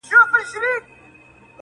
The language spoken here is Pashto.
مرګه ونیسه لمنه چي در لوېږم،